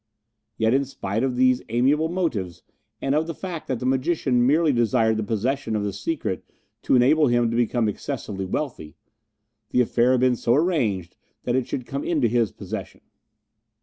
Yet, in spite of these amiable motives, and of the fact that the magician merely desired the possession of the secret to enable him to become excessively wealthy, the affair had been so arranged that it should come into his possession.